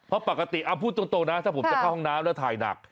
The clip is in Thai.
เพราะปกติพูดตรงนะถ้าผมจะเข้าห้องน้ำแล้วถ่ายหนัก